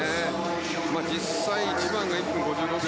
実際、１番が１分５５秒。